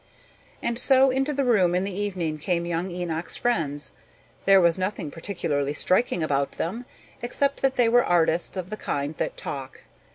And so into the room in the evening came young Enoch's friends. There was nothing particularly striking about them except that they were artists of the kind that talk.